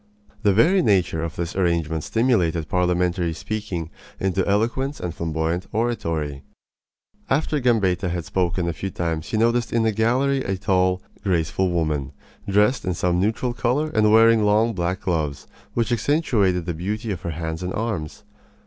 The very nature of this arrangement stimulated parliamentary speaking into eloquence and flamboyant oratory. After Gambetta had spoken a few times he noticed in the gallery a tall, graceful woman, dressed in some neutral color and wearing long black gloves, which accentuated the beauty of her hands and arms.